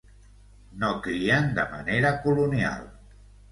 No crien de manera colonial.